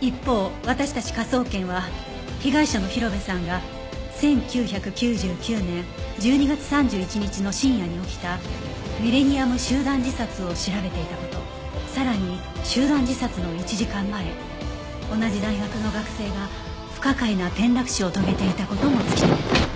一方私たち科捜研は被害者の広辺さんが１９９９年１２月３１日の深夜に起きたミレニアム集団自殺を調べていた事さらに集団自殺の１時間前同じ大学の学生が不可解な転落死を遂げていた事も突き止めた